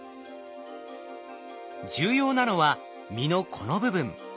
重要なのは実のこの部分。